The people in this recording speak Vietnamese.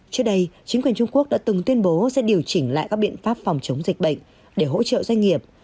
trước đây chính quyền trung quốc đã từng tuyên bố sẽ điều chỉnh lại các biện pháp phòng chống dịch bệnh để hỗ trợ doanh nghiệp